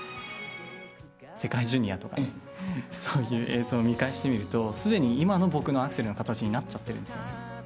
世界ジュニアとか、そういう映像を見返してみると、すでに今の僕のアクセルの形になっちゃってるんですよね。